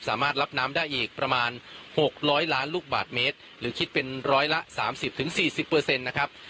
สามารถรับน้ำได้อีกประมาณหกร้อยล้านลูกบาทเมตรหรือคิดเป็นร้อยละสามสิบถึงสี่สิบเปอร์เซ็นต์นะครับ